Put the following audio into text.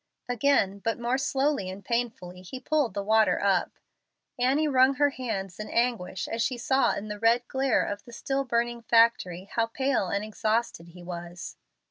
Again, but more slowly and painfully, he pulled the water up. Annie wrung her hands in anguish as she saw in the red glare of the still burning factory how pale and exhausted he was.